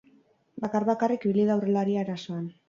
Bakar-bakarrik ibili da aurrelaria erasoan.